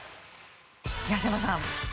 東山さん